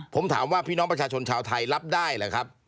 ผมถามว่าพี่น้องประชาชนชาวไทยรับได้หรือครับ